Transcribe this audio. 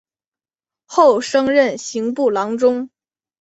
后升任刑部郎中。